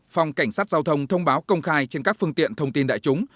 phòng cảnh sát giao thông thông báo công khai trên các phương tiện thông tin đại chúng